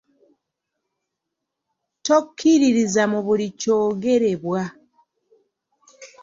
Tokkiririza mu buli kyogerebwa.